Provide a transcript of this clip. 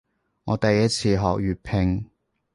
我第一次學粵拼